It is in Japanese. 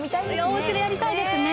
おうちでやりたいですね。